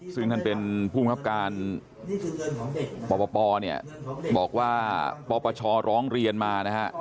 ซึ่งท่านเป็นภูมิครับการปปเนี่ยบอกว่าปปชร้องเรียนมานะฮะ